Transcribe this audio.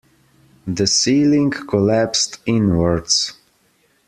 The ceiling collapsed inwards.